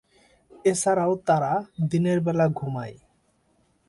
এছাড়াও তারা দিনের বেলা ঘুমায়।